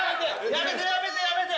やめてやめてやめて！